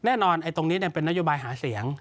แน่นอนตรงนี้เป็นนโยบายหาเสียง